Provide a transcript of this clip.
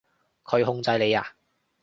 佢控制你呀？